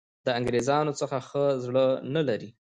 د انګرېزانو څخه ښه زړه نه لري.